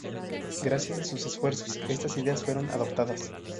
Gracias a sus esfuerzos estas ideas fueron adoptadas.